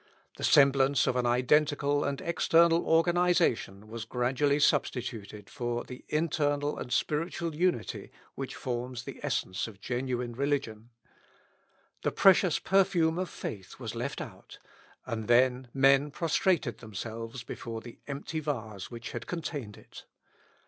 The semblance of an identical and external organisation was gradually substituted for the internal and spiritual unity which forms the essence of genuine religion. The precious perfume of faith was left out, and then men prostrated themselves before the empty vase which had contained it.